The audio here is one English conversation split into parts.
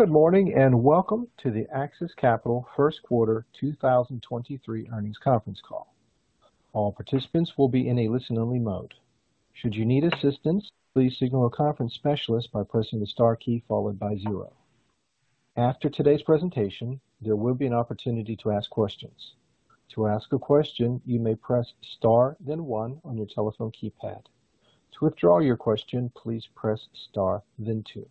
Good morning, welcome to the AXIS Capital first quarter 2023 earnings conference call. All participants will be in a listen-only mode. Should you need assistance, please signal a conference specialist by pressing the star key followed by zero. After today's presentation, there will be an opportunity to ask questions. To ask a question, you may press star then one on your telephone keypad. To withdraw your question, please press star then two.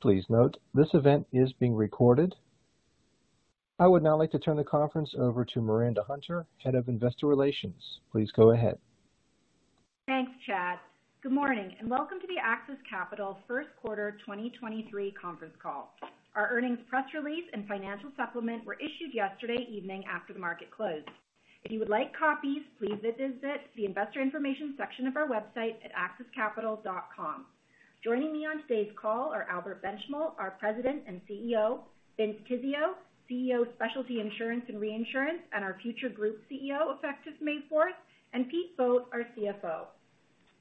Please note, this event is being recorded. I would now like to turn the conference over to Miranda Hunter, Head of Investor Relations. Please go ahead. Thanks, Chad. Good morning, and welcome to the AXIS Capital 1st quarter 2023 conference call. Our earnings press release and financial supplement were issued yesterday evening after the market closed. If you would like copies, please visit the investor information section of our website at axiscapital.com. Joining me on today's call are Albert Benchimol, our President and CEO, Vince Tizzio, CEO of Specialty Insurance and Reinsurance, and our future group CEO, effective May 4th, and Pete Vogt, our CFO.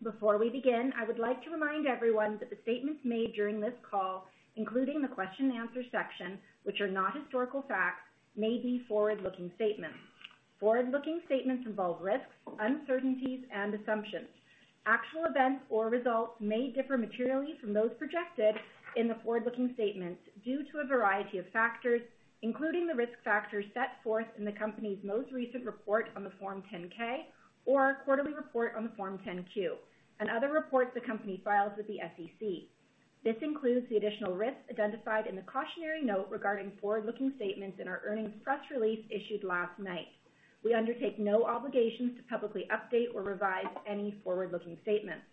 Before we begin, I would like to remind everyone that the statements made during this call, including the question and answer section, which are not historical facts, may be forward-looking statements. Forward-looking statements involve risks, uncertainties and assumptions. Actual events or results may differ materially from those projected in the forward-looking statements due to a variety of factors, including the risk factors set forth in the company's most recent report on the Form 10-K or our quarterly report on the Form 10-Q, and other reports the company files with the SEC. This includes the additional risks identified in the cautionary note regarding forward-looking statements in our earnings press release issued last night. We undertake no obligations to publicly update or revise any forward-looking statements.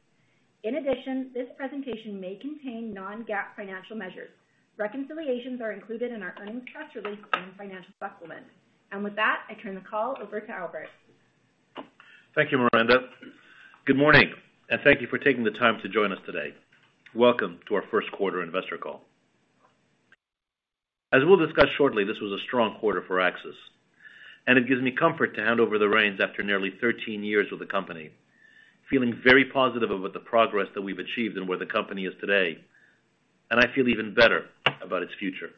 In addition, this presentation may contain non-GAAP financial measures. Reconciliations are included in our earnings press release and financial supplement. With that, I turn the call over to Albert. Thank you, Miranda. Good morning, and thank you for taking the time to join us today. Welcome to our first quarter investor call. As we'll discuss shortly, this was a strong quarter for AXIS, and it gives me comfort to hand over the reins after nearly 13 years with the company. Feeling very positive about the progress that we've achieved and where the company is today, and I feel even better about its future.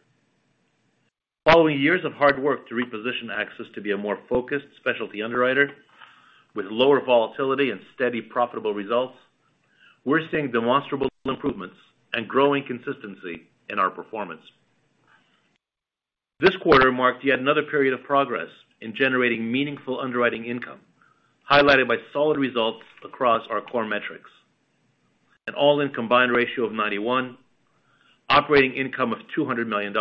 Following years of hard work to reposition AXIS to be a more focused specialty underwriter with lower volatility and steady, profitable results, we're seeing demonstrable improvements and growing consistency in our performance. This quarter marked yet another period of progress in generating meaningful underwriting income, highlighted by solid results across our core metrics. An all-in combined ratio of 91, operating income of $200 million,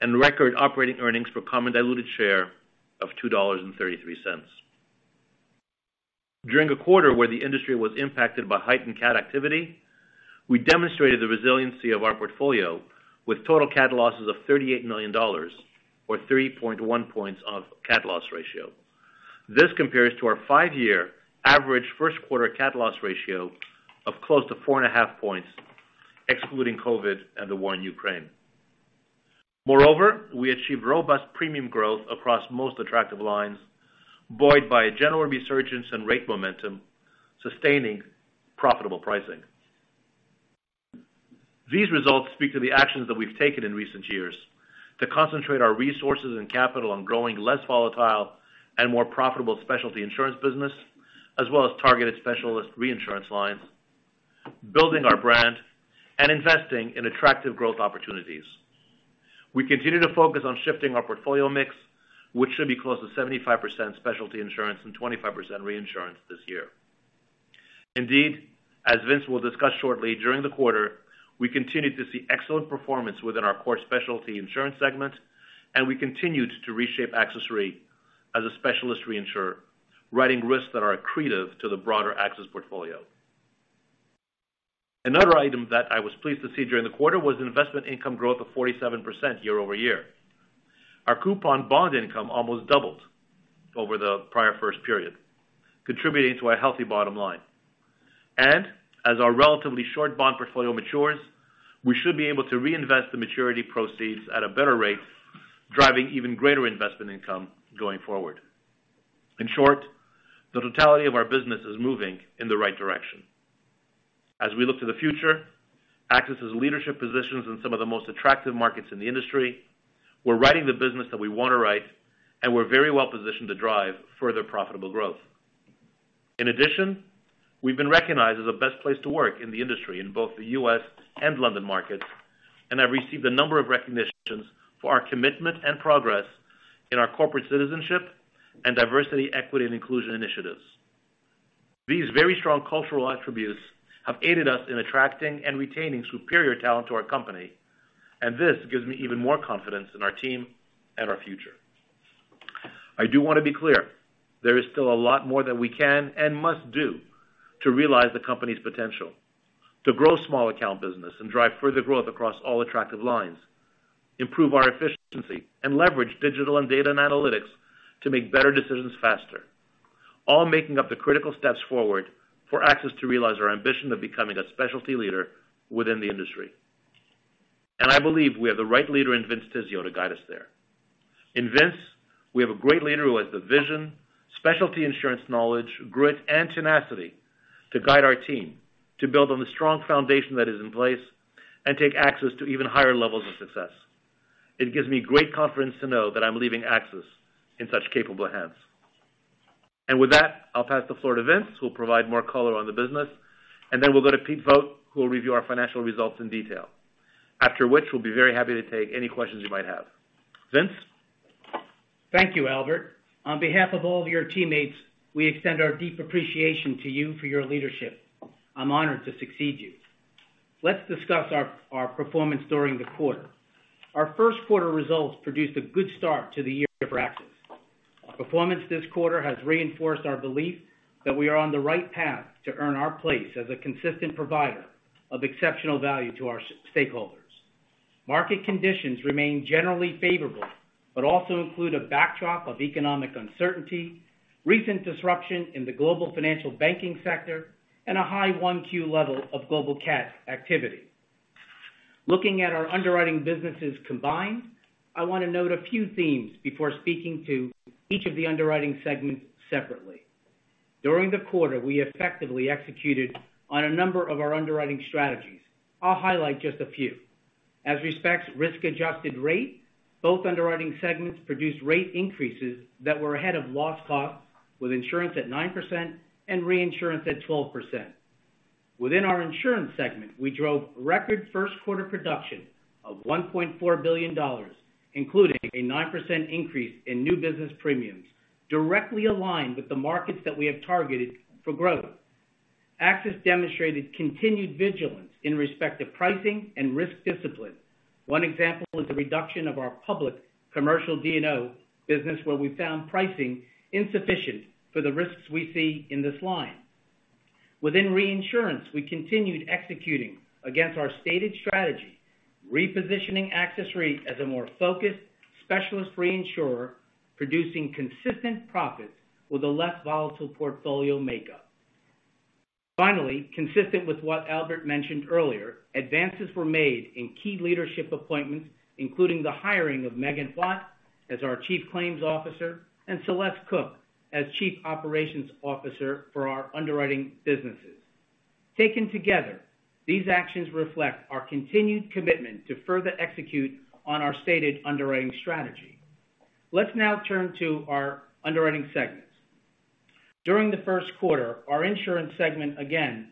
and record operating earnings per common diluted share of $2.33. During a quarter where the industry was impacted by heightened cat activity, we demonstrated the resiliency of our portfolio with total cat losses of $38 million or 3.1 points of cat loss ratio. This compares to our 5-year average first quarter cat loss ratio of close to 4.5 points, excluding COVID and the war in Ukraine. We achieved robust premium growth across most attractive lines, buoyed by a general resurgence in rate momentum, sustaining profitable pricing. These results speak to the actions that we've taken in recent years to concentrate our resources and capital on growing less volatile and more profitable specialty insurance business, as well as targeted specialist reinsurance lines, building our brand and investing in attractive growth opportunities. We continue to focus on shifting our portfolio mix, which should be close to 75% specialty insurance and 25% reinsurance this year. Indeed, as Vince will discuss shortly, during the quarter, we continued to see excellent performance within our core specialty insurance segment, and we continued to reshape AXIS Re as a specialist reinsurer, writing risks that are accretive to the broader AXIS portfolio. Another item that I was pleased to see during the quarter was investment income growth of 47% year-over-year. Our coupon bond income almost doubled over the prior first period, contributing to a healthy bottom line. As our relatively short bond portfolio matures, we should be able to reinvest the maturity proceeds at a better rate, driving even greater investment income going forward. In short, the totality of our business is moving in the right direction. As we look to the future, AXIS' leadership positions in some of the most attractive markets in the industry, we're writing the business that we want to write, and we're very well-positioned to drive further profitable growth. In addition, we've been recognized as a best place to work in the industry in both the U.S. and London markets, and have received a number of recognitions for our commitment and progress in our corporate citizenship and diversity, equity, and inclusion initiatives. These very strong cultural attributes have aided us in attracting and retaining superior talent to our company. This gives me even more confidence in our team and our future. I do want to be clear, there is still a lot more that we can and must do to realize the company's potential. To grow small account business and drive further growth across all attractive lines, improve our efficiency and leverage digital and data and analytics to make better decisions faster, all making up the critical steps forward for AXIS to realize our ambition of becoming a specialty leader within the industry. I believe we have the right leader in Vince Tizzio to guide us there. In Vince, we have a great leader who has the vision, specialty insurance knowledge, grit and tenacity to guide our team to build on the strong foundation that is in place and take AXIS to even higher levels of success. It gives me great confidence to know that I'm leaving AXIS in such capable hands. With that, I'll pass the floor to Vince, who will provide more color on the business. Then we'll go to Pete Vogt, who will review our financial results in detail. After which, we'll be very happy to take any questions you might have. Vince? Thank you, Albert. On behalf of all your teammates, we extend our deep appreciation to you for your leadership. I'm honored to succeed you. Let's discuss our performance during the quarter. Our first quarter results produced a good start to the year for AXIS. Our performance this quarter has reinforced our belief that we are on the right path to earn our place as a consistent provider of exceptional value to our stakeholders. Market conditions remain generally favorable, but also include a backdrop of economic uncertainty, recent disruption in the global financial banking sector, and a high 1Q level of global cat activity. Looking at our underwriting businesses combined, I wanna note a few themes before speaking to each of the underwriting segments separately. During the quarter, we effectively executed on a number of our underwriting strategies. I'll highlight just a few. As respects risk-adjusted rate, both underwriting segments produced rate increases that were ahead of loss costs, with insurance at 9% and reinsurance at 12%. Within our insurance segment, we drove record first quarter production of $1.4 billion, including a 9% increase in new business premiums, directly aligned with the markets that we have targeted for growth. AXIS demonstrated continued vigilance in respect to pricing and risk discipline. One example is the reduction of our public commercial D&O business, where we found pricing insufficient for the risks we see in this line. Within reinsurance, we continued executing against our stated strategy, repositioning AXIS Re as a more focused specialist reinsurer, producing consistent profits with a less volatile portfolio makeup. Finally, consistent with what Albert mentioned earlier, advances were made in key leadership appointments, including the hiring of Megan Watt as our chief claims officer and Celeste Cook as chief operations officer for our underwriting businesses. Taken together, these actions reflect our continued commitment to further execute on our stated underwriting strategy. Let's now turn to our underwriting segments. During the first quarter, our insurance segment again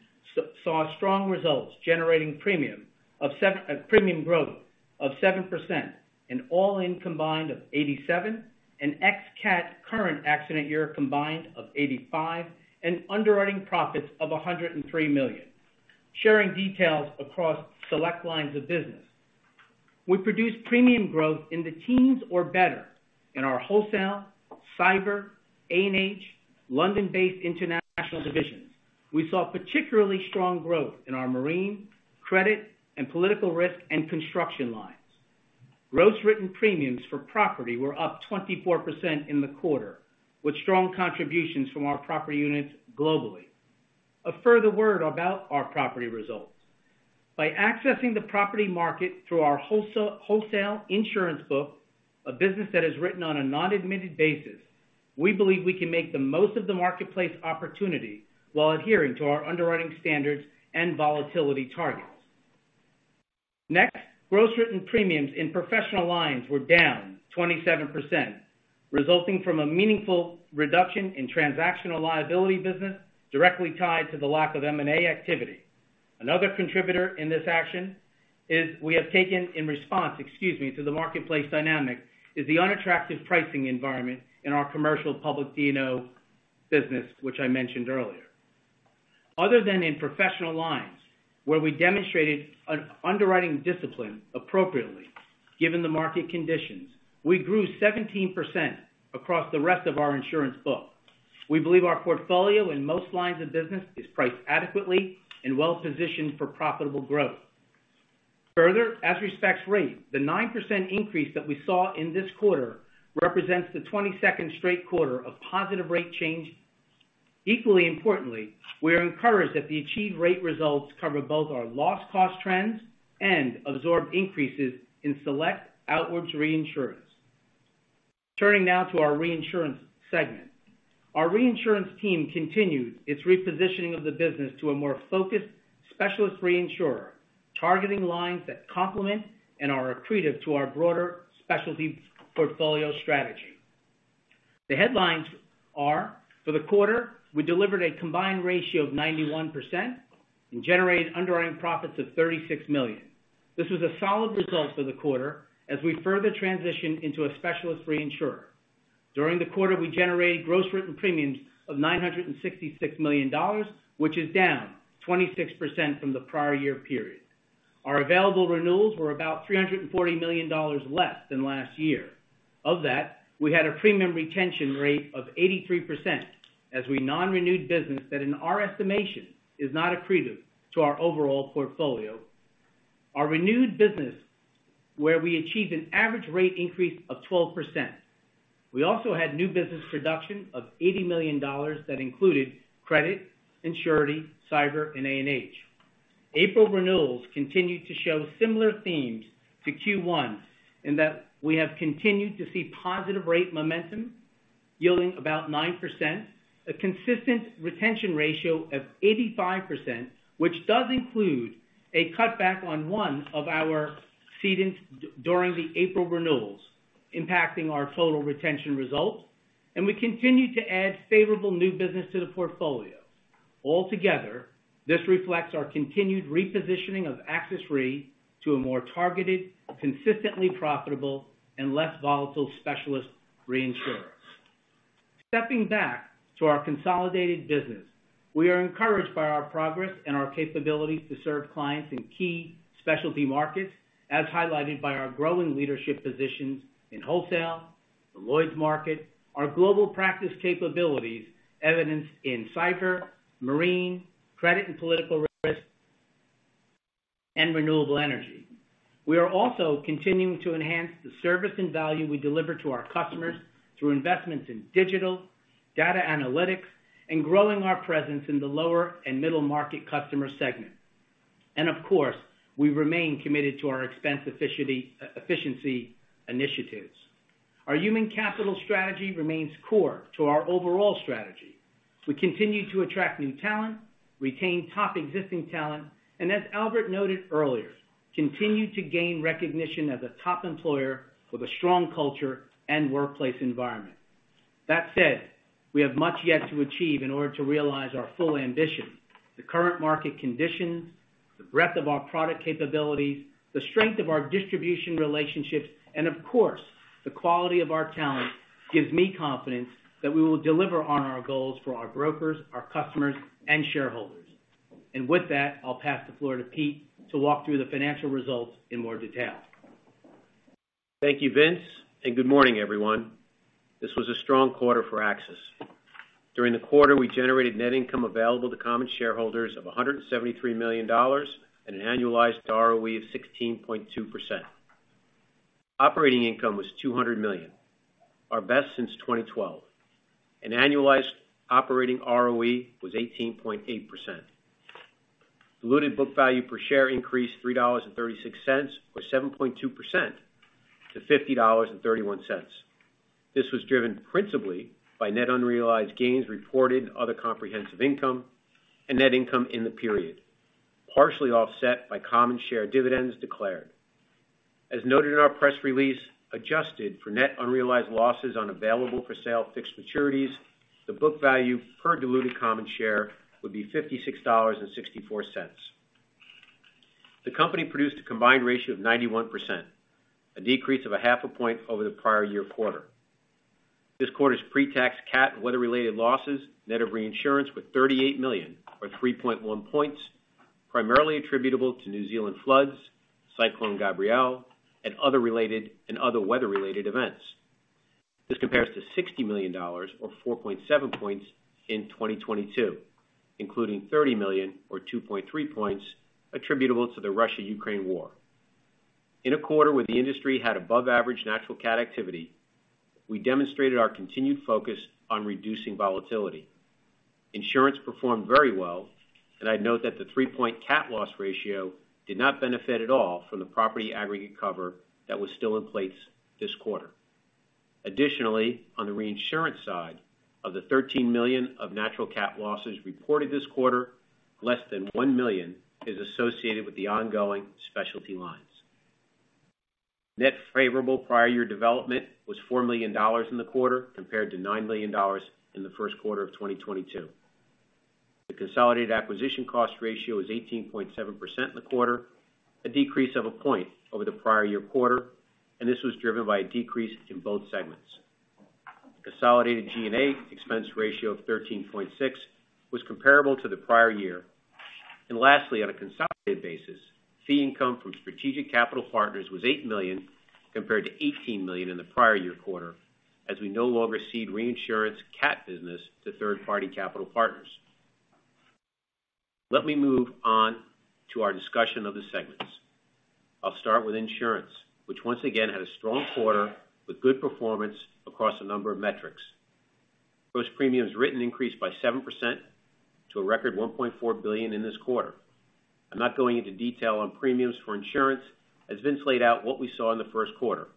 saw strong results, generating premium growth of 7% and all-in combined of 87, and ex cat current accident year combined of 85, and underwriting profits of $103 million. Sharing details across select lines of business. We produced premium growth in the teens or better in our wholesale, cyber, A&H, London-based international divisions. We saw particularly strong growth in our marine, credit, and political risk and construction lines. Gross written premiums for property were up 24% in the quarter, with strong contributions from our property units globally. A further word about our property results. By accessing the property market through our wholesale insurance book, a business that is written on a non-admitted basis, we believe we can make the most of the marketplace opportunity while adhering to our underwriting standards and volatility targets. Gross written premiums in professional lines were down 27%, resulting from a meaningful reduction in transactional liability business directly tied to the lack of M&A activity. Another contributor in this action is we have taken in response, excuse me, to the marketplace dynamic, is the unattractive pricing environment in our commercial public D&O business, which I mentioned earlier. Other than in professional lines, where we demonstrated an underwriting discipline appropriately, given the market conditions, we grew 17% across the rest of our insurance book. We believe our portfolio in most lines of business is priced adequately and well-positioned for profitable growth. As respects rate, the 9% increase that we saw in this quarter represents the 22nd straight quarter of positive rate change. Equally importantly, we are encouraged that the achieved rate results cover both our loss cost trends and absorb increases in select outwards reinsurance. To our reinsurance segment. Our reinsurance team continued its repositioning of the business to a more focused specialist reinsurer, targeting lines that complement and are accretive to our broader specialty portfolio strategy. For the quarter, we delivered a combined ratio of 91% and generated underwriting profits of $36 million. This was a solid result for the quarter as we further transition into a specialist reinsurer. During the quarter, we generated gross written premiums of $966 million, which is down 26% from the prior year period. Our available renewals were about $340 million less than last year. Of that, we had a premium retention rate of 83% as we non-renewed business that, in our estimation, is not accretive to our overall portfolio. Our renewed business, where we achieved an average rate increase of 12%. We also had new business production of $80 million that included credit surety, cyber, and A&H. April renewals continued to show similar themes to Q1 in that we have continued to see positive rate momentum yielding about 9%, a consistent retention ratio of 85%, which does include a cutback on one of our cedants during the April renewals, impacting our total retention results. We continued to add favorable new business to the portfolio. Altogether, this reflects our continued repositioning of AXIS Re to a more targeted, consistently profitable and less volatile specialist reinsurer. Stepping back to our consolidated business, we are encouraged by our progress and our capability to serve clients in key specialty markets, as highlighted by our growing leadership positions in wholesale, the Lloyd's market, our global practice capabilities evidenced in cyber, marine, credit and political risk, and renewable energy. We are also continuing to enhance the service and value we deliver to our customers through investments in digital, data analytics, and growing our presence in the lower and middle market customer segment. Of course, we remain committed to our expense efficiency initiatives. Our human capital strategy remains core to our overall strategy. We continue to attract new talent, retain top existing talent, and as Albert noted earlier, continue to gain recognition as a top employer with a strong culture and workplace environment. That said, we have much yet to achieve in order to realize our full ambition, the current market conditions, the breadth of our product capabilities, the strength of our distribution relationships, and of course, the quality of our talent gives me confidence that we will deliver on our goals for our brokers, our customers, and shareholders. With that, I'll pass the floor to Pete to walk through the financial results in more detail. Thank you, Vince. Good morning, everyone. This was a strong quarter for AXIS. During the quarter, we generated net income available to common shareholders of $173 million and an annualized ROE of 16.2%. Operating income was $200 million, our best since 2012. Annualized operating ROE was 18.8%. Diluted book value per share increased $3.36, or 7.2% to $50.31. This was driven principally by net unrealized gains reported other comprehensive income and net income in the period, partially offset by common share dividends declared. As noted in our press release, adjusted for net unrealized losses unavailable for sale fixed maturities, the book value per diluted common share would be $56.64. The company produced a combined ratio of 91%, a decrease of a half a point over the prior year quarter. This quarter's pre-tax cat and weather-related losses net of reinsurance were $38 million or 3.1 points, primarily attributable to New Zealand floods, Cyclone Gabrielle and other weather-related events. This compares to $60 million or 4.7 points in 2022, including $30 million or 2.3 points attributable to the Russia-Ukraine war. In a quarter where the industry had above average natural cat activity, we demonstrated our continued focus on reducing volatility. Insurance performed very well, and I'd note that the 3-point cat loss ratio did not benefit at all from the property aggregate cover that was still in place this quarter. Additionally, on the reinsurance side, of the $13 million of natural cat losses reported this quarter, less than $1 million is associated with the ongoing specialty lines. Net favorable prior year development was $4 million in the quarter compared to $9 million in the first quarter of 2022. The consolidated acquisition cost ratio is 18.7% in the quarter, a decrease of 1 point over the prior year quarter, this was driven by a decrease in both segments. Consolidated G&A expense ratio of 13.6% was comparable to the prior year. Lastly, on a consolidated basis, fee income from strategic capital partners was $8 million compared to $18 million in the prior year quarter as we no longer cede reinsurance cat business to third-party capital partners. Let me move on to our discussion of the segments. I'll start with insurance, which once again had a strong quarter with good performance across a number of metrics. Those premiums written increased by 7% to a record $1.4 billion in this quarter. I'm not going into detail on premiums for insurance, as Vince laid out what we saw in the first quarter.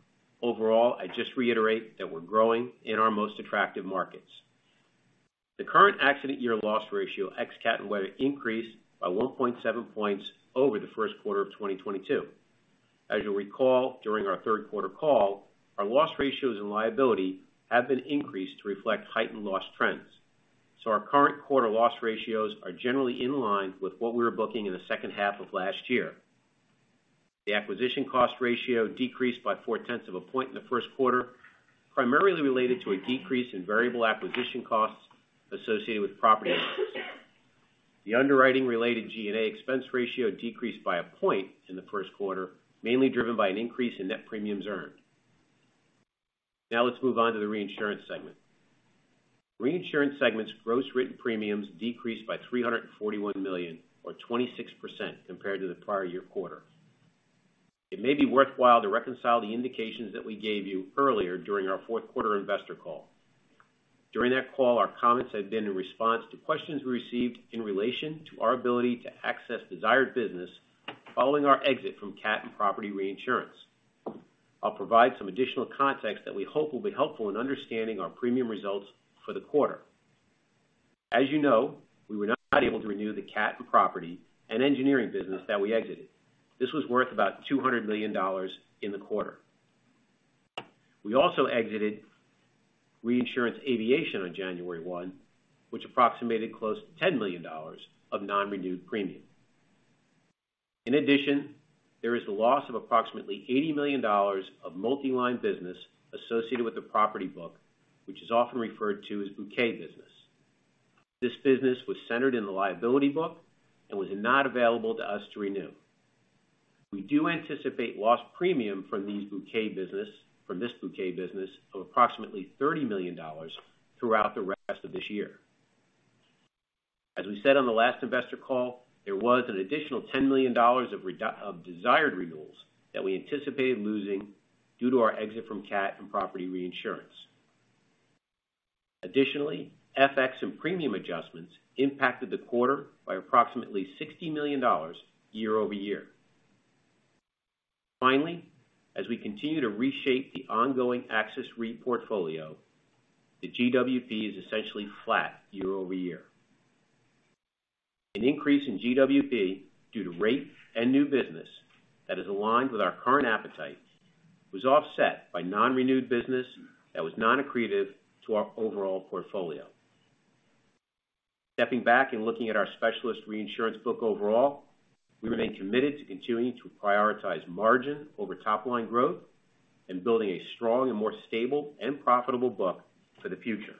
Overall, I just reiterate that we're growing in our most attractive markets. The current accident year loss ratio, ex cat and weather, increased by 1.7 points over the first quarter of 2022. As you'll recall, during our third quarter call, our loss ratios and liability have been increased to reflect heightened loss trends. Our current quarter loss ratios are generally in line with what we were booking in the second half of last year. The acquisition cost ratio decreased by four-tenths of a point in the first quarter, primarily related to a decrease in variable acquisition costs associated with property. The underwriting-related G&A expense ratio decreased by a point in the first quarter, mainly driven by an increase in net premiums earned. Let's move on to the reinsurance segment. Reinsurance segment's gross written premiums decreased by $341 million or 26% compared to the prior year quarter. It may be worthwhile to reconcile the indications that we gave you earlier during our fourth quarter investor call. During that call, our comments had been in response to questions we received in relation to our ability to access desired business following our exit from cat and property reinsurance. I'll provide some additional context that we hope will be helpful in understanding our premium results for the quarter. As you know, we were not able to renew the cat and property and engineering business that we exited. This was worth about $200 million in the quarter. We also exited reinsurance aviation on January 1, which approximated close to $10 million of non-renewed premium. In addition, there is the loss of approximately $80 million of multi-line business associated with the property book, which is often referred to as bouquet business. This business was centered in the liability book and was not available to us to renew. We do anticipate lost premium from this bouquet business of approximately $30 million throughout the rest of this year. As we said on the last investor call, there was an additional $10 million of desired renewals that we anticipated losing due to our exit from cat and property reinsurance. FX and premium adjustments impacted the quarter by approximately $60 million year-over-year. As we continue to reshape the ongoing AXIS Re portfolio, the GWP is essentially flat year-over-year. An increase in GWP due to rate and new business that is aligned with our current appetite was offset by non-renewed business that was non-accretive to our overall portfolio. Stepping back and looking at our specialist reinsurance book overall, we remain committed to continuing to prioritize margin over top line growth and building a strong and more stable and profitable book for the future.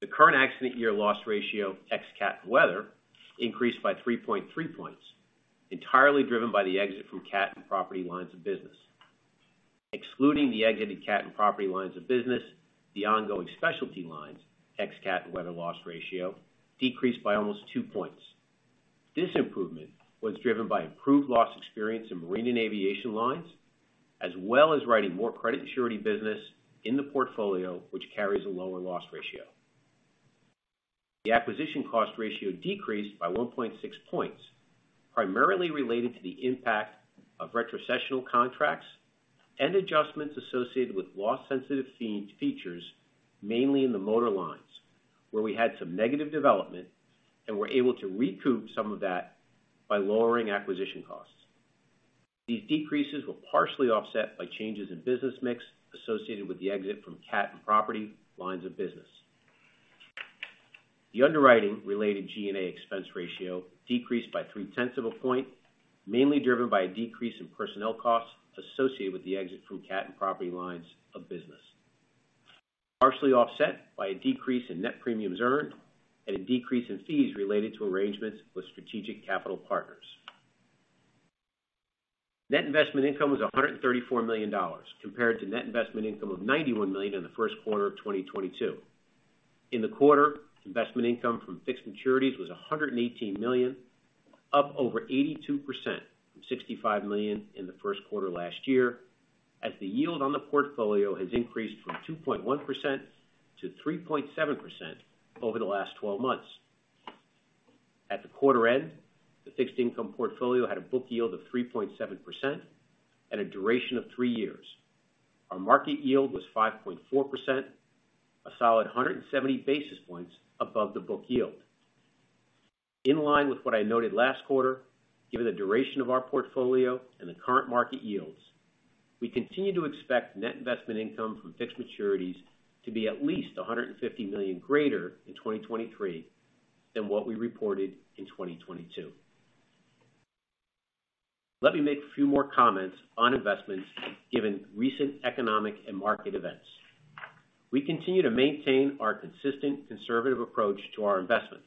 The current accident year loss ratio, ex-cat weather, increased by 3.3 points, entirely driven by the exit from cat and property lines of business. Excluding the exited cat and property lines of business, the ongoing specialty lines, ex-cat and weather loss ratio, decreased by almost 2 points. This improvement was driven by improved loss experience in marine and aviation lines, as well as writing more credit and surety business in the portfolio, which carries a lower loss ratio. The acquisition cost ratio decreased by 1.6 points, primarily related to the impact of retrocessional contracts and adjustments associated with loss-sensitive fee features, mainly in the motor lines, where we had some negative development and were able to recoup some of that by lowering acquisition costs. These decreases were partially offset by changes in business mix associated with the exit from cat and property lines of business. The underwriting-related G&A expense ratio decreased by 0.3 points, mainly driven by a decrease in personnel costs associated with the exit from cat and property lines of business. Partially offset by a decrease in net premiums earned and a decrease in fees related to arrangements with strategic capital partners. Net investment income was $134 million compared to net investment income of $91 million in the first quarter of 2022. In the quarter, investment income from fixed maturities was $118 million, up over 82% from $65 million in the first quarter last year, as the yield on the portfolio has increased from 2.1% to 3.7% over the last 12 months. At the quarter end, the fixed income portfolio had a book yield of 3.7% and a duration of 3 years. Our market yield was 5.4%, a solid 170 basis points above the book yield. In line with what I noted last quarter, given the duration of our portfolio and the current market yields, we continue to expect net investment income from fixed maturities to be at least $150 million greater in 2023 than what we reported in 2022. Let me make a few more comments on investments given recent economic and market events. We continue to maintain our consistent conservative approach to our investments.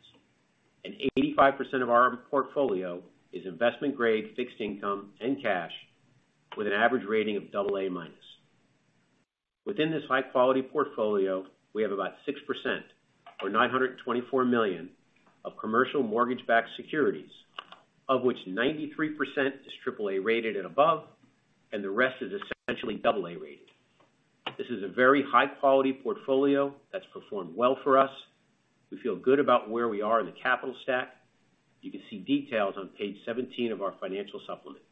85% of our portfolio is investment-grade fixed income and cash with an average rating of AA-. Within this high-quality portfolio, we have about 6% or $924 million of commercial mortgage-backed securities, of which 93% is AAA-rated and above, and the rest is essentially AA-rated. This is a very high-quality portfolio that's performed well for us. We feel good about where we are in the capital stack. You can see details on page 17 of our financial supplement.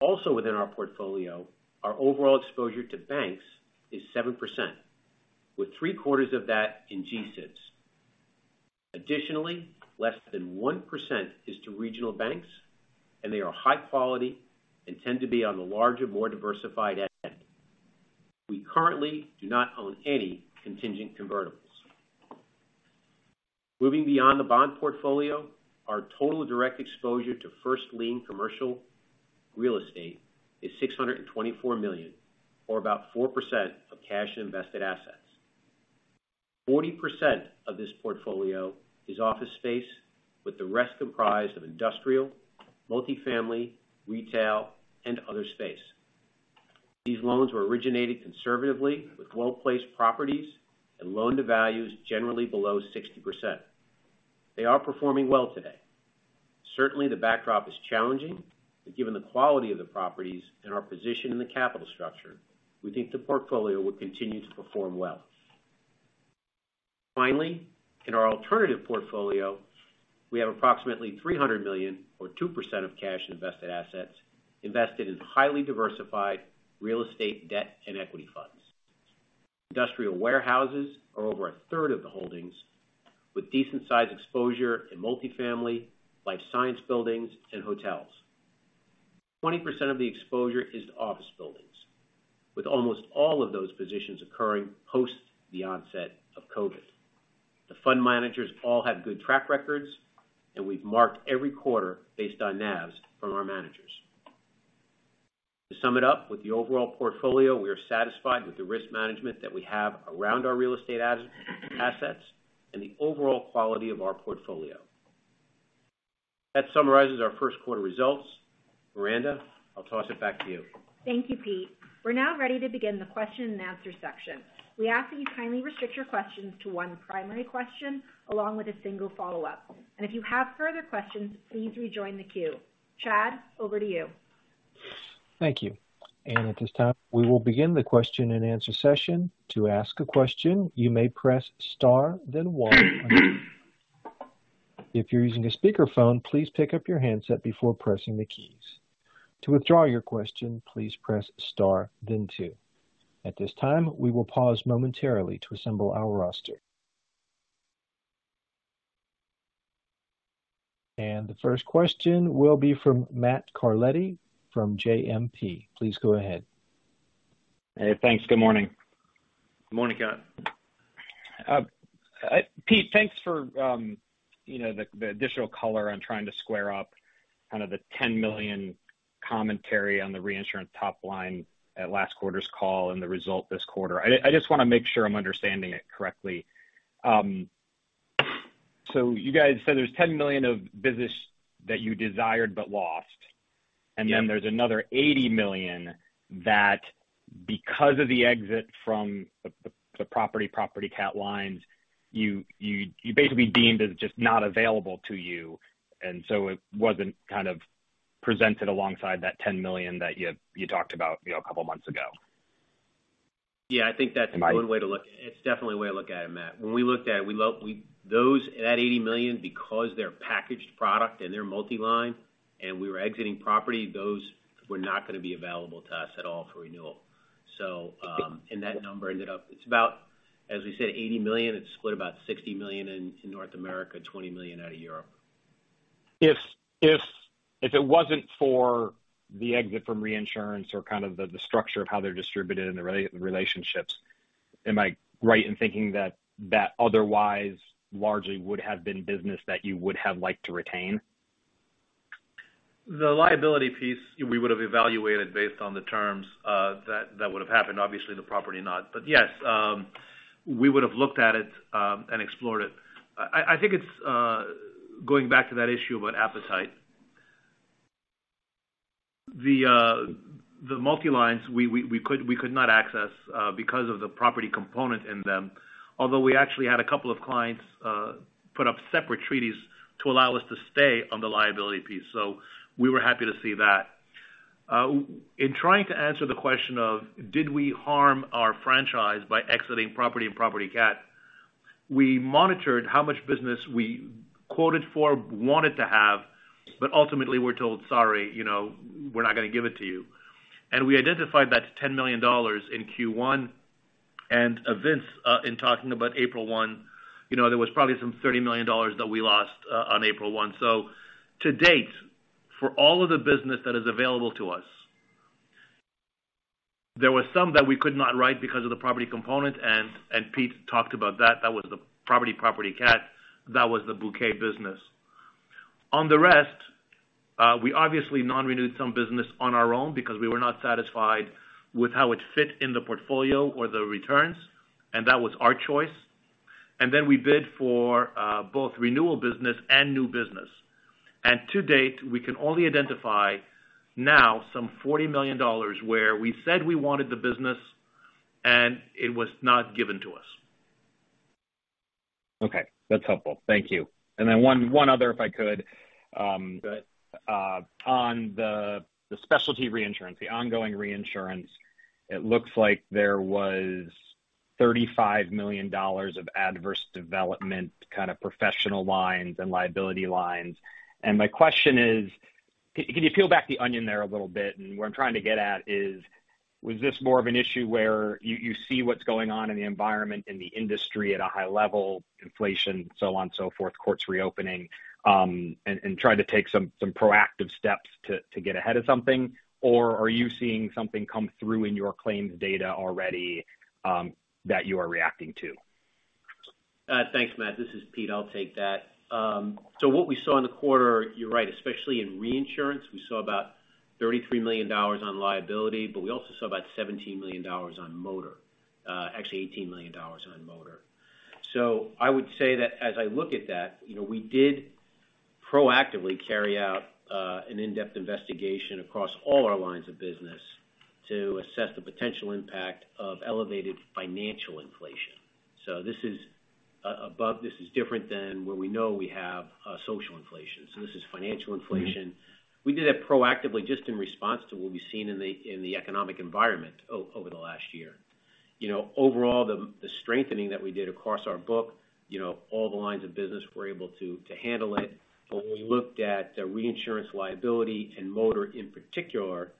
Also within our portfolio, our overall exposure to banks is 7%, with three-quarters of that in G-SIBs. Additionally, less than 1% is to regional banks, and they are high quality and tend to be on the larger, more diversified end. We currently do not own any contingent convertibles. Moving beyond the bond portfolio, our total direct exposure to first lien commercial real estate is $624 million, or about 4% of cash and invested assets. 40% of this portfolio is office space, with the rest comprised of industrial, multifamily, retail, and other space. These loans were originated conservatively with well-placed properties and loan to values generally below 60%. They are performing well today. Certainly, the backdrop is challenging, but given the quality of the properties and our position in the capital structure, we think the portfolio will continue to perform well. In our alternative portfolio, we have approximately $300 million or 2% of cash invested assets invested in highly diversified real estate debt and equity funds. Industrial warehouses are over a third of the holdings, with decent-sized exposure in multifamily, life science buildings and hotels. 20% of the exposure is to office buildings, with almost all of those positions occurring post the onset of COVID. The fund managers all have good track records, and we've marked every quarter based on NAVs from our managers. To sum it up, with the overall portfolio, we are satisfied with the risk management that we have around our real estate ad-assets and the overall quality of our portfolio. That summarizes our first quarter results. Miranda, I'll toss it back to you. Thank you, Pete. We're now ready to begin the question and answer section. We ask that you kindly restrict your questions to one primary question along with a single follow-up. If you have further questions, please rejoin the queue. Chad, over to you. Thank you. At this time, we will begin the question and answer session. To ask a question, you may press star then one on your. If you're using a speakerphone, please pick up your handset before pressing the keys. To withdraw your question, please press star then two. At this time, we will pause momentarily to assemble our roster. The first question will be from Matt Carletti from JMP. Please go ahead. Hey, thanks. Good morning. Good morning, Matt. Pete, thanks for, you know, the additional color on trying to square up kind of the $10 million commentary on the reinsurance top line at last quarter's call and the result this quarter. I just wanna make sure I'm understanding it correctly. You guys said there's $10 million of business that you desired but lost. Yes. Then there's another $80 million that, because of the exit from the property cat lines, you basically deemed as just not available to you. So it wasn't kind of presented alongside that $10 million that you talked about, you know, a couple months ago. Yeah, I think that's one way to look. It's definitely a way to look at it, Matt. When we looked at it, at $80 million because they're packaged product and they're multi-line, and we were exiting property, those were not gonna be available to us at all for renewal. That number ended up. It's about, as we said, $80 million. It's split about $60 million in North America, $20 million out of Europe. If it wasn't for the exit from reinsurance or kind of the structure of how they're distributed and the re-relationships, am I right in thinking that that otherwise largely would have been business that you would have liked to retain? The liability piece we would have evaluated based on the terms that would have happened. Obviously, the property not. Yes, we would have looked at it and explored it. I think it's going back to that issue about appetite. The multi-lines we could not access because of the property component in them. Although we actually had a couple of clients put up separate treaties to allow us to stay on the liability piece. We were happy to see that. In trying to answer the question of did we harm our franchise by exiting property and property cat? We monitored how much business we quoted for, wanted to have, but ultimately were told, "Sorry, you know, we're not gonna give it to you." We identified that $10 million in Q1. Vince, in talking about April 1, you know, there was probably some $30 million that we lost on April 1. To date, for all of the business that is available to us, there were some that we could not write because of the property component. Pete talked about that. That was the property cat. That was the bouquet business. On the rest, we obviously non-renewed some business on our own because we were not satisfied with how it fit in the portfolio or the returns, and that was our choice. We bid for both renewal business and new business. To date, we can only identify now some $40 million where we said we wanted the business and it was not given to us. Okay, that's helpful. Thank you. One other, if I could. Go ahead. On the specialty reinsurance, the ongoing reinsurance, it looks like there was $35 million of adverse development, kind of professional lines and liability lines. My question is, can you peel back the onion there a little bit? What I'm trying to get at is, was this more of an issue where you see what's going on in the environment, in the industry at a high level, inflation, so on and so forth, courts reopening, and try to take some proactive steps to get ahead of something? Or are you seeing something come through in your claims data already that you are reacting to? Thanks, Matt. This is Pete. I'll take that. What we saw in the quarter, you're right, especially in reinsurance, we saw about $33 million on liability, but we also saw about $17 million on motor. Actually $18 million on motor. I would say that as I look at that, you know, we did proactively carry out an in-depth investigation across all our lines of business to assess the potential impact of elevated financial inflation. This is different than where we know we have social inflation. This is financial inflation. We did that proactively just in response to what we've seen in the, in the economic environment over the last year. You know, overall, the strengthening that we did across our book, you know, all the lines of business were able to handle it. When we looked at the reinsurance liability and motor, in particular,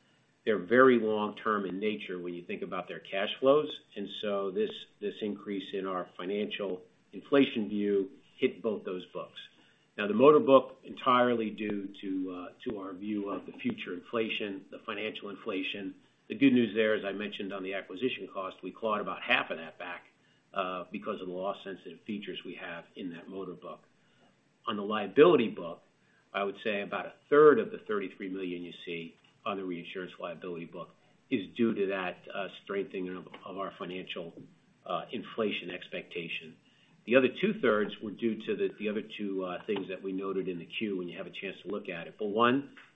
they're very long-term in nature when you think about their cash flows. This, this increase in our financial inflation view hit both those books. The motor book entirely due to our view of the future inflation, the financial inflation. The good news there, as I mentioned on the acquisition cost, we clawed about half of that back because of the loss-sensitive features we have in that motor book. On the liability book, I would say about a third of the $33 million you see on the reinsurance liability book is due to that strengthening of our financial inflation expectation. The other two-thirds were due to the other two things that we noted in the queue when you have a chance to look at it.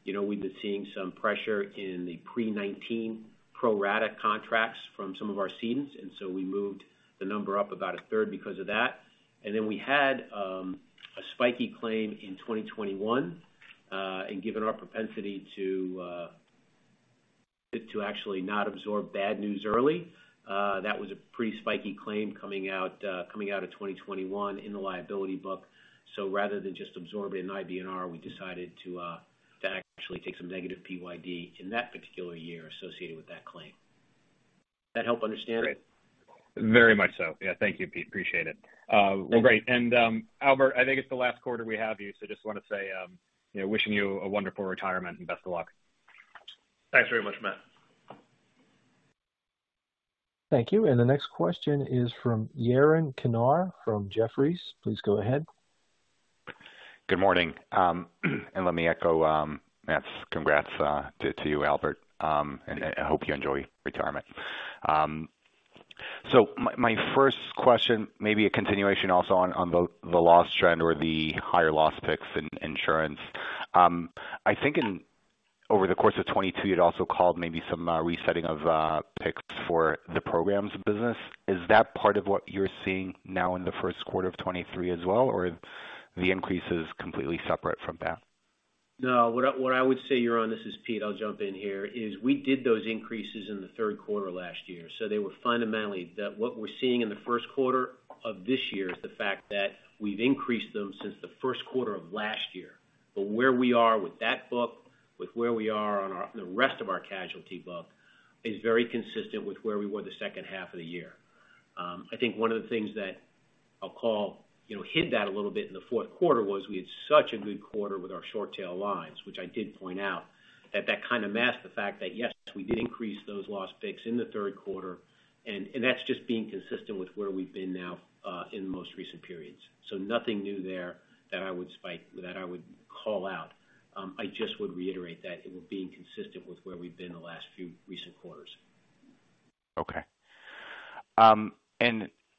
You know, we've been seeing some pressure in the pre-19 pro rata contracts from some of our cedes, we moved the number up about a third because of that. Then we had a spiky claim in 2021. Given our propensity to actually not absorb bad news early, that was a pretty spiky claim coming out, coming out of 2021 in the liability book. Rather than just absorb it in IBNR, we decided to actually take some negative PYD in that particular year associated with that claim. That help understand it? Very much so. Yeah, thank you, Pete. Appreciate it. Well, great. Albert, I think it's the last quarter we have you. Just wanna say, you know, wishing you a wonderful retirement and best of luck. Thanks very much, Matt. Thank you. The next question is from Yaron Kinar from Jefferies. Please go ahead. Good morning. Let me echo Matt's congrats to you, Albert. I hope you enjoy retirement. My first question may be a continuation also on the loss trend or the higher loss picks in insurance. I think over the course of 2022, you'd also called maybe some resetting of picks for the programs business. Is that part of what you're seeing now in the first quarter of 2023 as well, or the increase is completely separate from that? No. What I would say, Yaron, this is Pete, I'll jump in here, is we did those increases in the 3rd quarter last year. They were fundamentally that what we're seeing in the 1st quarter of this year is the fact that we've increased them since the 1st quarter of last year. Where we are with that book, with where we are on the rest of our casualty book is very consistent with where we were the 2nd half of the year. I think one of the things that I'll call, you know, hid that a little bit in the fourth quarter was we had such a good quarter with our short tail lines, which I did point out that that kind of masked the fact that, yes, we did increase those loss picks in the third quarter, and that's just being consistent with where we've been now, in most recent periods. Nothing new there that I would call out. I just would reiterate that it was being consistent with where we've been the last few recent quarters. Okay.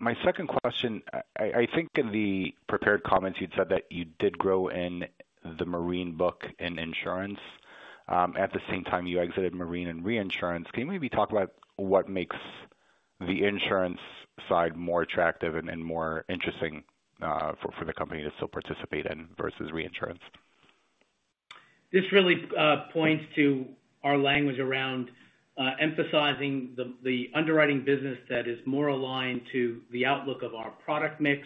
My second question, I think in the prepared comments you'd said that you did grow in the marine book in insurance. At the same time you exited marine and reinsurance. Can you maybe talk about what makes the insurance side more attractive and more interesting, for the company to still participate in versus reinsurance? This really points to our language around emphasizing the underwriting business that is more aligned to the outlook of our product mix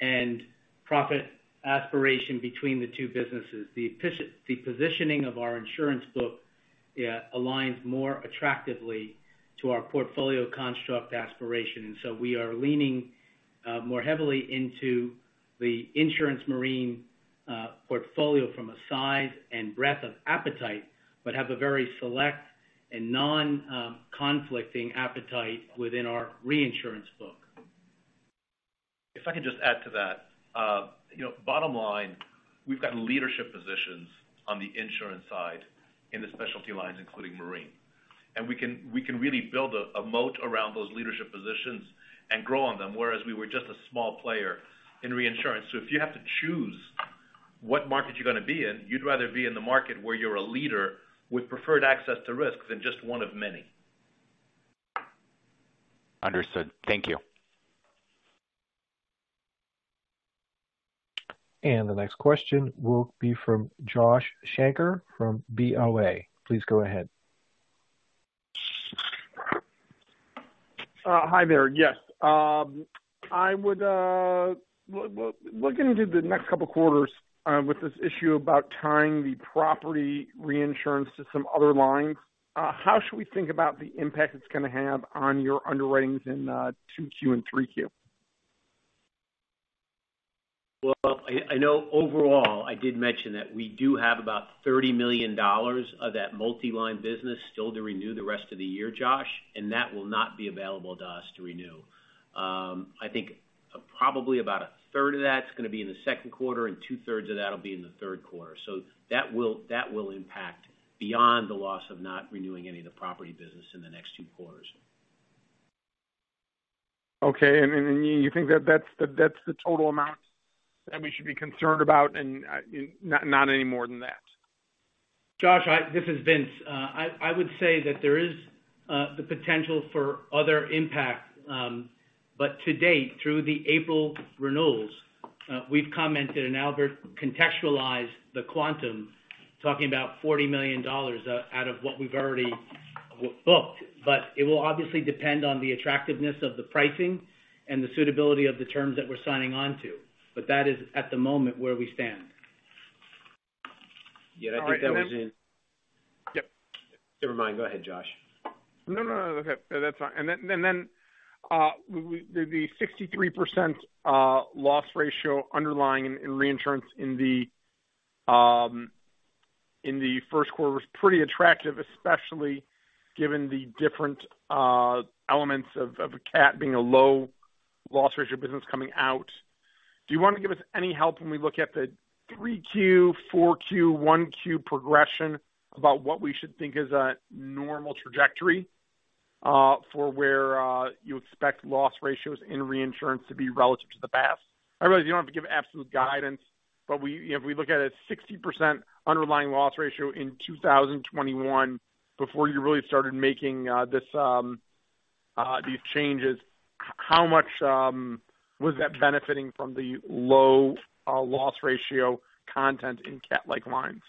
and profit aspiration between the two businesses. The positioning of our insurance book aligns more attractively to our portfolio construct aspiration. We are leaning more heavily into the insurance marine portfolio from a size and breadth of appetite, but have a very select and non conflicting appetite within our reinsurance book. If I could just add to that. you know, bottom line, we've got leadership positions on the insurance side in the specialty lines, including marine. We can really build a moat around those leadership positions and grow on them, whereas we were just a small player in reinsurance. If you have to choose what market you're gonna be in, you'd rather be in the market where you're a leader with preferred access to risks than just one of many. Understood. Thank you. The next question will be from Josh Shanker from BofA Securities. Please go ahead. Hi there. Yes. I would, looking into the next couple quarters, with this issue about tying the property reinsurance to some other lines, how should we think about the impact it's gonna have on your underwritings in, two Q and three Q? Well, I know overall, I did mention that we do have about $30 million of that multi-line business still to renew the rest of the year, Josh, and that will not be available to us to renew. I think probably about a third of that's gonna be in the second quarter, and two-thirds of that'll be in the third quarter. That will impact beyond the loss of not renewing any of the property business in the next 2 quarters. Okay. You think that that's the total amount that we should be concerned about and, not any more than that? Josh, this is Vince. I would say that there is the potential for other impact. To date, through the April renewals, we've commented, and Albert contextualized the quantum, talking about $40 million out of what we've already booked. It will obviously depend on the attractiveness of the pricing and the suitability of the terms that we're signing onto. That is at the moment where we stand. All right. then. Yeah, I think that was in-. Yep. Never mind. Go ahead, Josh. No, no, okay. That's fine. Then, then the 63% loss ratio underlying in reinsurance in the first quarter was pretty attractive, especially given the different elements of a cat being a low loss ratio business coming out. Do you want to give us any help when we look at the 3Q, 4Q, 1Q progression about what we should think is a normal trajectory for where you expect loss ratios in reinsurance to be relative to the past? I realize you don't have to give absolute guidance, but we, you know, if we look at a 60% underlying loss ratio in 2021 before you really started making this these changes, how much was that benefiting from the low loss ratio content in cat-like lines?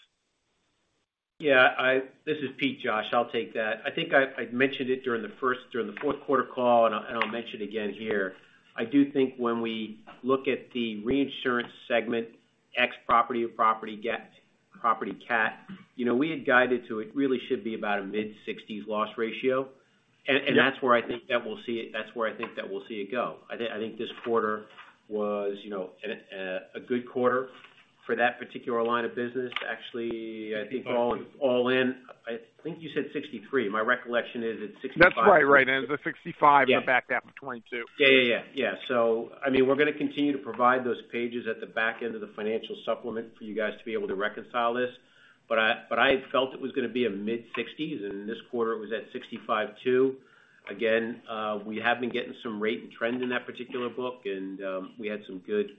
Yeah. This is Pete, Josh, I'll take that. I think I've mentioned it during the fourth quarter call, and I'll mention again here. I do think when we look at the reinsurance segment, ex property to property CAT, property CAT, you know, we had guided to it. Really should be about a mid-sixties loss ratio. Yep. That's where I think that we'll see it, that's where I think that we'll see it go. I think this quarter was, you know, at a good quarter for that particular line of business. Actually, I think all in, I think you said 63. My recollection is it's 65. That's right. Right. It was a 65% in the back half of 2022. Yeah. I mean, we're gonna continue to provide those pages at the back end of the financial supplement for you guys to be able to reconcile this. I had felt it was gonna be a mid-sixties, and this quarter was at 65 too. Again, we have been getting some rate and trend in that particular book and we had some good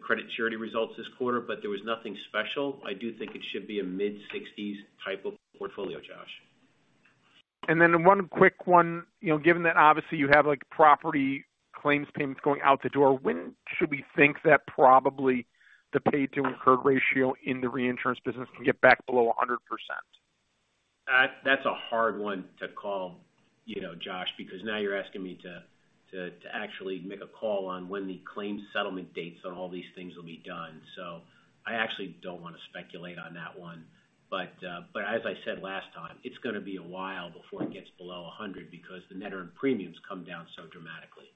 credit surety results this quarter, but there was nothing special. I do think it should be a mid-sixties type of portfolio, Josh. One quick one. You know, given that obviously you have like property claims payments going out the door, when should we think that probably the paid to incurred ratio in the reinsurance business can get back below 100%? That's a hard one to call, you know, Josh, because now you're asking me to actually make a call on when the claim settlement dates on all these things will be done. I actually don't wanna speculate on that one. But as I said last time, it's gonna be a while before it gets below 100 because the net earned premiums come down so dramatically.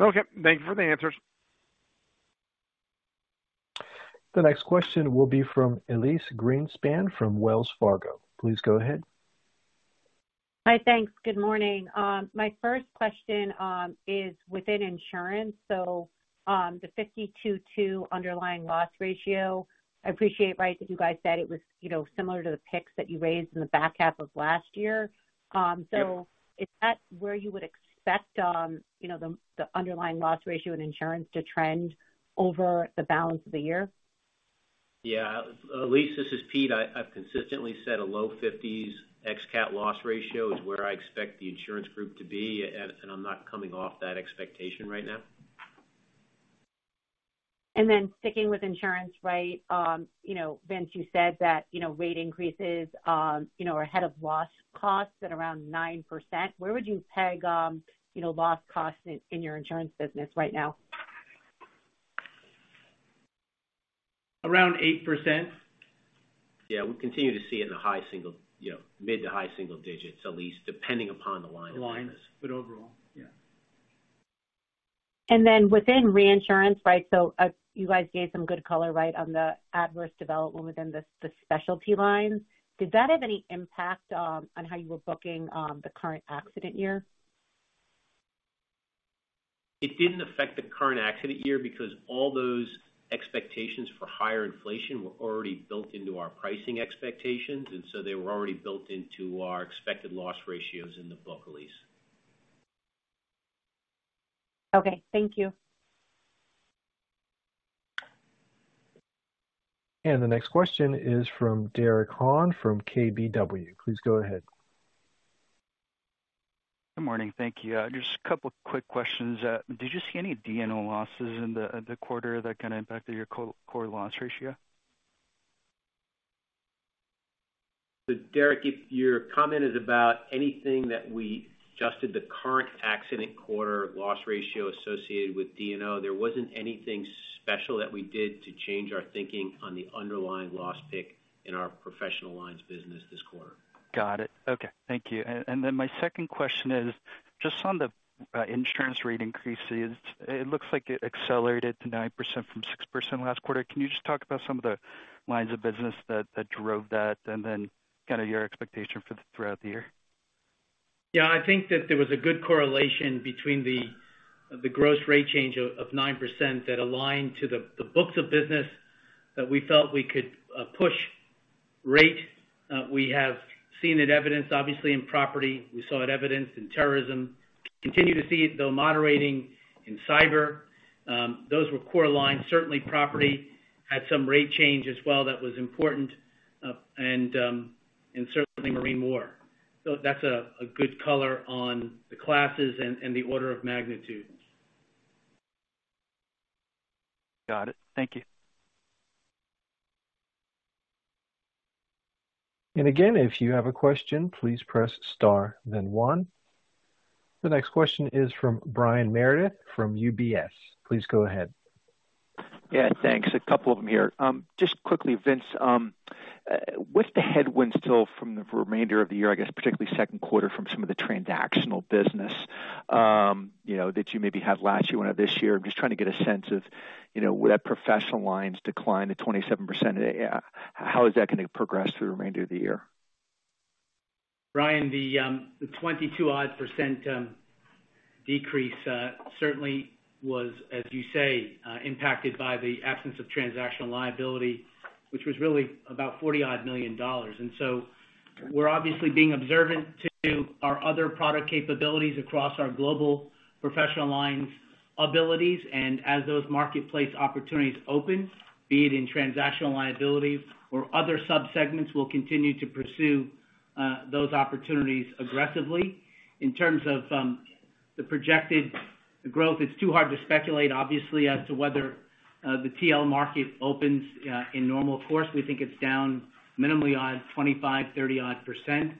Okay. Thank you for the answers. The next question will be from Elyse Greenspan from Wells Fargo. Please go ahead. Hi. Thanks. Good morning. My first question is within insurance. The 52.2 underlying loss ratio, I appreciate, right, that you guys said it was, you know, similar to the picks that you raised in the back half of last year. Is that where you would expect, you know, the underlying loss ratio in insurance to trend over the balance of the year? Elyse, this is Pete. I've consistently said a low 50s ex cat loss ratio is where I expect the insurance group to be. And I'm not coming off that expectation right now. Sticking with insurance, right, you know, Vince, you said that, you know, rate increases, you know, are ahead of loss costs at around 9%. Where would you peg, you know, loss costs in your insurance business right now? Around 8%. Yeah. We continue to see it in the high single, you know, mid to high single digits, Elyse, depending upon the line of business. The lines, overall. Yeah. Within reinsurance, right? You guys gave some good color, right, on the adverse development within the specialty lines. Did that have any impact on how you were booking the current accident year? It didn't affect the current accident year because all those expectations for higher inflation were already built into our pricing expectations, and so they were already built into our expected loss ratios in the book, Elyse. Okay. Thank you. The next question is from Derek Han from KBW. Please go ahead. Good morning. Thank you. Just a couple quick questions. Did you see any D&O losses in the quarter that kinda impacted your co-core loss ratio? Derek, if your comment is about anything that we adjusted the current accident quarter loss ratio associated with D&O, there wasn't anything special that we did to change our thinking on the underlying loss pick in our professional lines business this quarter. Got it. Okay. Thank you. my second question is- Just on the insurance rate increases, it looks like it accelerated to 9% from 6% last quarter. Can you just talk about some of the lines of business that drove that and then kind of your expectation for the throughout the year? I think that there was a good correlation between the gross rate change of 9% that aligned to the books of business that we felt we could push rate. We have seen it evidenced obviously in property. We saw it evidenced in terrorism. Continue to see it, though moderating in cyber. Those were core lines. Certainly, property had some rate change as well that was important. Certainly marine war. That's a good color on the classes and the order of magnitude. Got it. Thank you. Again, if you have a question, please press star then one. The next question is from Brian Meredith from UBS. Please go ahead. Yeah, thanks. A couple of them here. Just quickly, Vince, what's the headwinds still from the remainder of the year, I guess particularly second quarter from some of the transactional business, you know, that you maybe had last year or this year? I'm just trying to get a sense of, you know, will that professional lines decline the 27%? How is that gonna progress through the remainder of the year? Brian, the 22 odd %, decrease certainly was, as you say, impacted by the absence of transactional liability, which was really about $40 odd million. We're obviously being observant to our other product capabilities across our global professional lines abilities. As those marketplace opportunities open, be it in transactional liabilities or other sub-segments, we'll continue to pursue those opportunities aggressively. In terms of the projected growth, it's too hard to speculate obviously as to whether the TL market opens in normal course. We think it's down minimally odd 25, 30 odd %.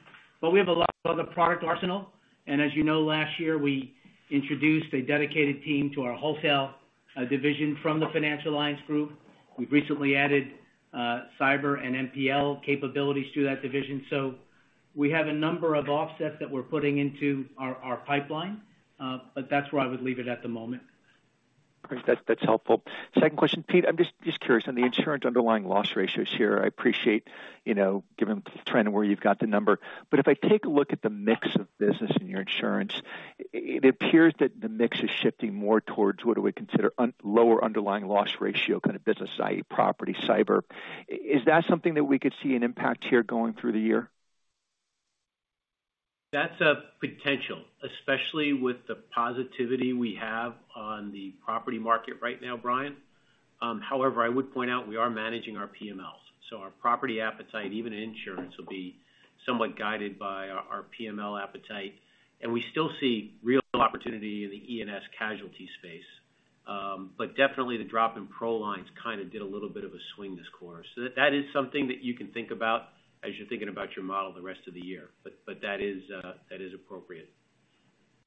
We have a lot of other product arsenal. As you know, last year we introduced a dedicated team to our wholesale division from the financial lines group. We've recently added cyber and NPL capabilities to that division. We have a number of offsets that we're putting into our pipeline, but that's where I would leave it at the moment. That's helpful. Second question, Pete, I'm just curious on the insurance underlying loss ratios here. I appreciate, you know, given the trend of where you've got the number. If I take a look at the mix of business in your insurance, it appears that the mix is shifting more towards what we consider lower underlying loss ratio kind of business, i.e., property, cyber. Is that something that we could see an impact here going through the year? That's a potential, especially with the positivity we have on the property market right now, Brian. I would point out we are managing our PMLs. Our property appetite, even insurance, will be somewhat guided by our PML appetite. We still see real opportunity in the E&S casualty space. Definitely the drop in pro lines kind of did a little bit of a swing this quarter. That is something that you can think about as you're thinking about your model the rest of the year. That is appropriate.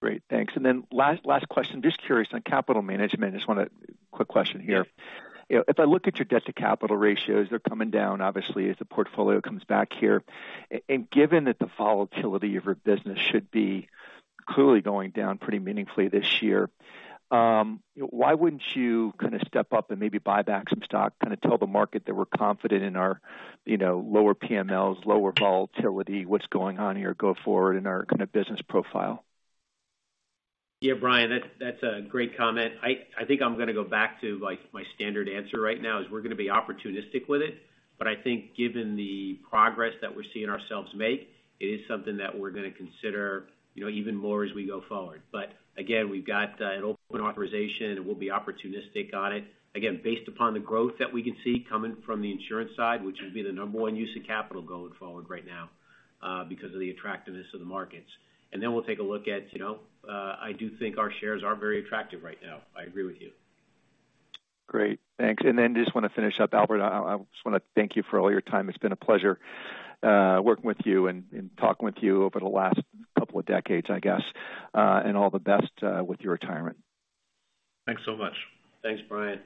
Great. Thanks. Last question. Just curious on capital management. Just quick question here. If I look at your debt to capital ratios, they're coming down obviously as the portfolio comes back here. Given that the volatility of your business should be clearly going down pretty meaningfully this year, why wouldn't you kind of step up and maybe buy back some stock, kind of tell the market that we're confident in our, you know, lower PMLs, lower volatility, what's going on here go forward in our kind of business profile? Yeah, Brian, that's a great comment. I think I'm gonna go back to like my standard answer right now is we're gonna be opportunistic with it. I think given the progress that we're seeing ourselves make, it is something that we're gonna consider, you know, even more as we go forward. Again, we've got an open authorization and we'll be opportunistic on it. Again, based upon the growth that we can see coming from the insurance side, which would be the number one use of capital going forward right now, because of the attractiveness of the markets. We'll take a look at, you know, I do think our shares are very attractive right now. I agree with you. Great. Thanks. Just wanna finish up. Albert, I just wanna thank you for all your time. It's been a pleasure working with you and talking with you over the last couple of decades, I guess. All the best with your retirement. Thanks so much. Thanks, Brian.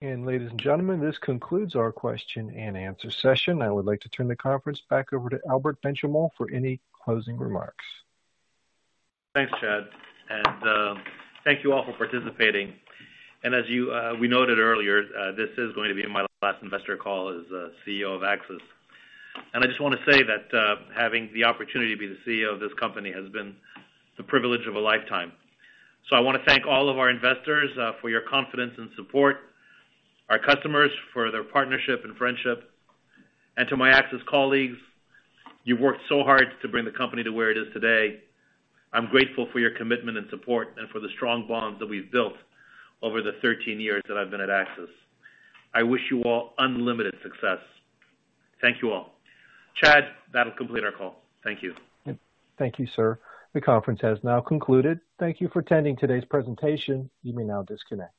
Ladies and gentlemen, this concludes our question and answer session. I would like to turn the conference back over to Albert Benchimol for any closing remarks. Thanks, Chad. Thank you all for participating. We noted earlier, this is going to be my last investor call as CEO of AXIS. I just wanna say that having the opportunity to be the CEO of this company has been the privilege of a lifetime. I wanna thank all of our investors for your confidence and support, our customers for their partnership and friendship, and to my AXIS colleagues, you've worked so hard to bring the company to where it is today. I'm grateful for your commitment and support and for the strong bonds that we've built over the 13 years that I've been at AXIS. I wish you all unlimited success. Thank you all. Chad, that'll complete our call. Thank you. Thank you, sir. The conference has now concluded. Thank you for attending today's presentation. You may now disconnect.